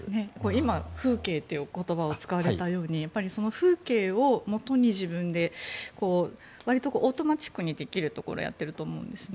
今、風景という言葉を使われたようにその風景をもとに自分でわりとオートマチックにできるところをやっていると思うんです。